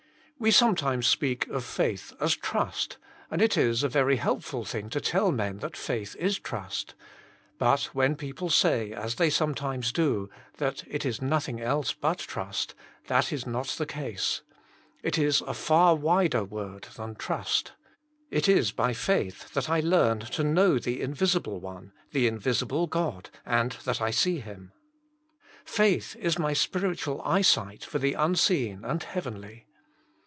We sometimes speak of faith as trust, and it is a very helpful thing to tell men that faith is trust: but when people say, as they some times do, that it is nothing else but trust, that is not the case. It is a far wider word than trust. It is by faith that I learn to know the invisible One, the invisible God, and that I see Him. Faith is my spiritual eye sight for the unseen and heavenly.